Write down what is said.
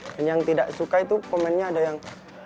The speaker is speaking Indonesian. dan yang tidak suka itu komennya ada yang